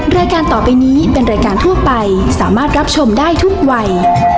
รายการต่อไปนี้เป็นรายการทั่วไปสามารถรับชมได้ทุกวัย